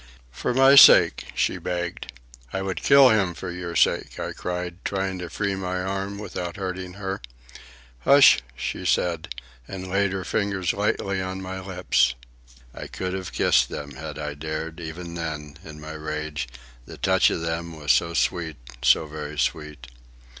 "For my sake," she begged. "I would kill him for your sake!" I cried, trying to free my arm without hurting her. "Hush!" she said, and laid her fingers lightly on my lips. I could have kissed them, had I dared, even then, in my rage, the touch of them was so sweet, so very sweet.